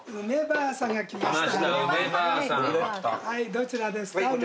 はいどちらですか？